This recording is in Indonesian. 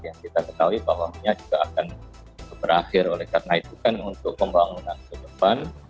yang kita ketahui bahwa minyak juga akan berakhir oleh karena itu kan untuk pembangunan ke depan